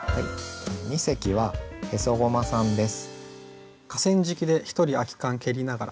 二席はへそごまさんです。